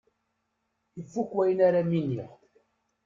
Ifuk wayen ara m-iniɣ.